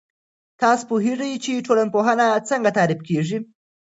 تاسو پوهیږئ چې ټولنپوهنه څنګه تعريف کیږي؟